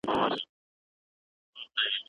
پښتانه شاعران تل له خپل وطن سره مینه لري.